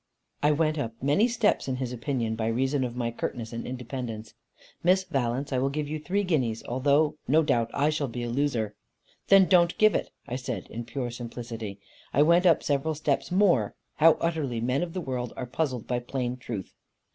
I went up many steps in his opinion, by reason of my curtness and independence. "Miss Valence, I will give you three guineas, although no doubt I shall be a loser." "Then don't give it," said I in pure simplicity. I went up several steps more. How utterly men of the world are puzzled by plain truth!